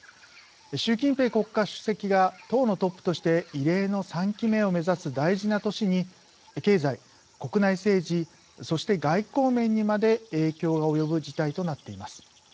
習近平国家主席が党のトップとして異例の３期目を目指す大事な年に経済、国内政治そして、外交面にまで影響が及ぶ事態となっています。